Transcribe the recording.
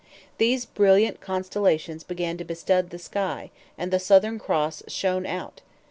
These brilliant constellations began to bestud the sky, and the Southern Cross shone out.